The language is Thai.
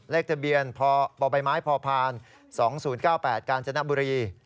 เลขทะเบียนปบพพ๒๐๙๘กาญจนบุรี